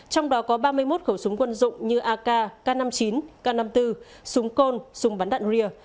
trong đó có ba mươi một khẩu súng quân dụng như ak k năm mươi chín k năm mươi bốn súng côn súng bắn đạn ria